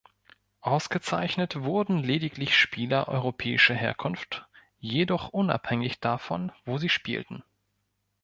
Ausgezeichnet wurden lediglich Spieler europäischer Herkunft, jedoch unabhängig davon, wo sie spielten.